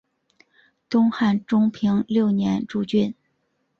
东汉中平六年诸郡。